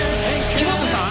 黄本さん